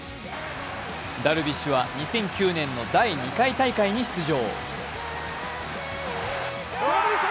ダルビッシュは２００９年の第２回大会に出場。